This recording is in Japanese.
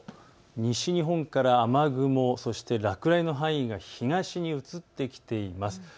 西日本から雨雲、そして落雷の範囲が東に移ってきています。